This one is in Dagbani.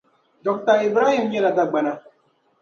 Dr. Ibrahim nyɛla Dagbana